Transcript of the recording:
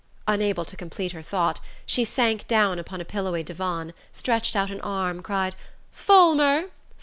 Unable to complete her thought, she sank down upon a pillowy divan, stretched out an arm, cried: "Fulmer!